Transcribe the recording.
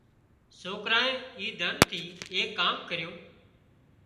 سوڪرانئي اي ڌن ٿي ايڪ ڪام ڪريون